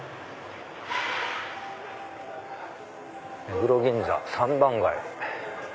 「目黒銀座三番街」。